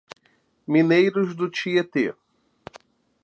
Mineiros do Tietê